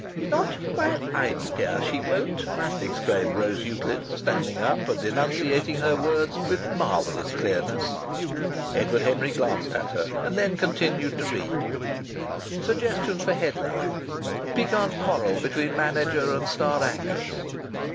"Not while I'm here, she won't!" exclaimed Rose Euclid, standing up, and enunciating her words with marvellous clearness. Edward Henry glanced at her, and then continued to read: "Suggestions for headlines. 'Piquant quarrel between manager and star actress.'